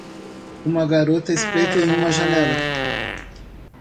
Uma garota espreita em uma janela.